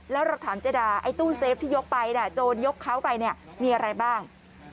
แล้วเราถามเจดาไอ้ตู้เซฟที่ยกไปโจรยกเขาไปเนี่ยมีอะไรบ้าง